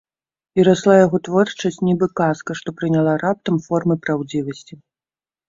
І расла яго творчасць, нібы казка, што прыняла раптам формы праўдзівасці.